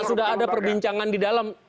sudah ada perbincangan di dalam